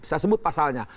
saya sebut pasalnya